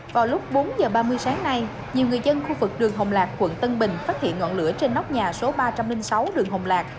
vào lúc bốn h ba mươi sáng nay nhiều người dân khu vực đường hồng lạc quận tân bình phát hiện ngọn lửa trên nóc nhà số ba trăm linh sáu đường hồng lạc